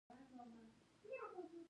خو دا شمېر وروسته زیاتېږي